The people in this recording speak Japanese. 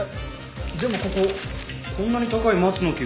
でもこここんなに高い松の木があるよ。